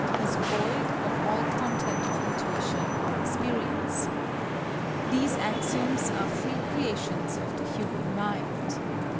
as void of all content of intuition or experience. These axioms are free creations of the human mind.